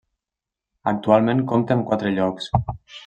Actualment compta amb quatre llocs.